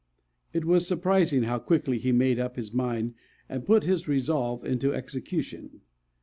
It was surprising how quickly he made up his mind and put his resolve into execution.